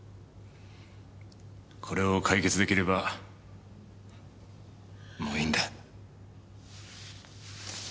これを解決出来ればもういいんだ。